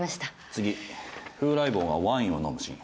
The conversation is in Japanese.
次風来坊がワインを飲むシーン。